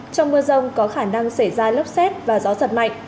trong mưa rông có khả năng xảy ra lốc xét và gió giật mạnh